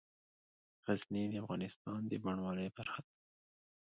غزني د افغانستان د بڼوالۍ برخه ده.